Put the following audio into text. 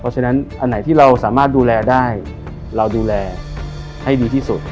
เพราะฉะนั้นอันไหนที่เราสามารถดูแลได้เราดูแลให้ดีที่สุด